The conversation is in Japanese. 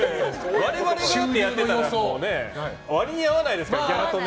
我々がやってたらもうね割に合わないですから、ギャラと。